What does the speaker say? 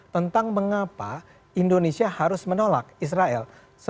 tentang mengapa indonesia harus menolak israel